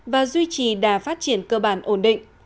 và duy trì đà phát triển cơ bản ổn định